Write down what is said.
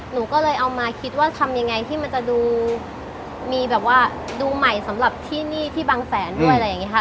หนูก็เลยเอามาคิดว่าทำยังไงที่มันจะดูมีแบบว่าดูใหม่สำหรับที่นี่ที่บางแสนด้วยอะไรอย่างนี้ค่ะ